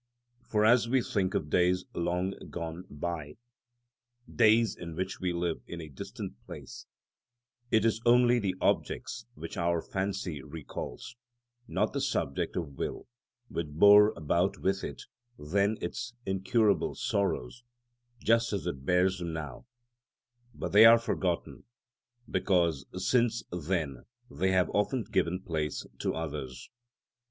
For as we think of days long gone by, days in which we lived in a distant place, it is only the objects which our fancy recalls, not the subject of will, which bore about with it then its incurable sorrows just as it bears them now; but they are forgotten, because since then they have often given place to others.